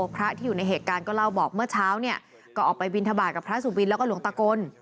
พระที่อยู่ในเหตุการณ์ก็เล่าบอกเมื่อเช้าเนี่ยก็ออกไปบินทบาทกับพระสุบินแล้วก็หลวงตะกล